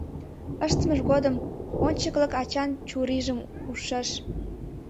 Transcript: Ыштымыж годым ончыклык ачан чурийжым ужшаш.